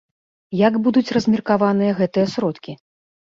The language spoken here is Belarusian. Як будуць размеркаваныя гэтыя сродкі?